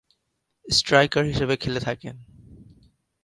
Striker হিসেবে খেলে থাকেন।